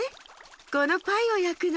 このパイをやくの。